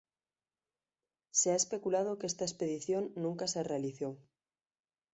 Se ha especulado que esta expedición nunca se realizó.